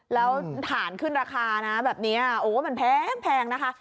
แล้วฐานขึ้นราคานะแบบนี้โอ้มันแพงนะคะ